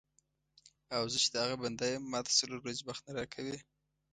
او زه چې د هغه بنده یم ماته څلور ورځې وخت نه راکوې.